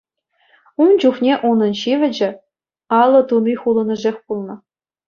Ун чухне унӑн ҫивӗчӗ алӑ туни хулӑнӑшех пулнӑ.